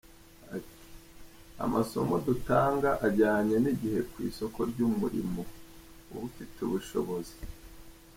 Ati “Amasomo dutanga, ajyanye n’igihe ku isoko ry’umurimo, ufite ubushobozi.